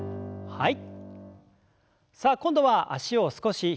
はい。